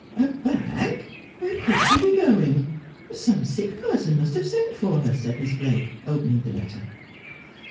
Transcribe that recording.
' A bag ! Where could she be going 1 Some sick person must have sent for her,' said Miss Blake, opening the letter.